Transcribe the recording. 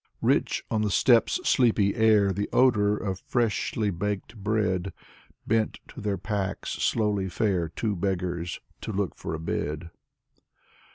Rich on the steppe's sleepy air, The odor of freshly baked bread. Bent to their packs, slowly fare Two beggars to look for a bed.